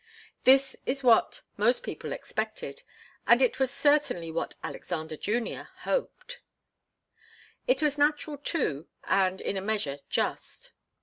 This was what most people expected, and it was certainly what Alexander Junior hoped. It was natural, too, and in a measure just.